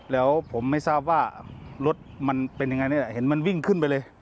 แล้วผมไม่ทราบว่ารถมันเป็นยังไงนี่แหละเห็นมันวิ่งขึ้นไปเลย